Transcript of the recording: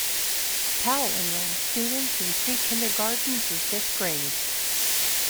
Powell enrolls students in pre-kindergarten through fifth grade.